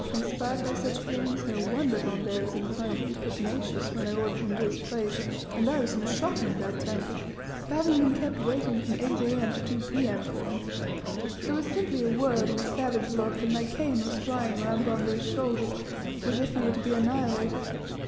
Inspired by such feelings, no wonder Bombay was inclined to be pugnacious when I ordered him to his place, and I was in a shocking bad temper for having been kept waiting from 8 A.M. to 2 P.M. for him. There was simply a word and a savage look, and my cane was flying around Bombay's shoulders, as if he were to be annihilated.